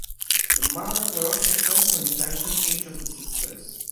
The monarch will also personally pension each of the sisters.